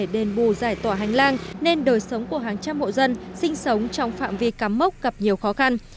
đền bù giải tỏa hành lang nên đời sống của hàng trăm hộ dân sinh sống trong phạm vi cắm mốc gặp nhiều khó khăn